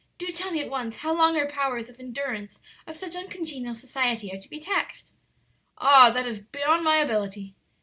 "Do tell me at once how long our powers of endurance of such uncongenial society are to be taxed?" "Ah, that is beyond my ability."